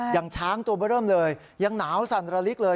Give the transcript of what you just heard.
อย่างช้างตัวเบอร์เริ่มเลยยังหนาวสั่นระลิกเลย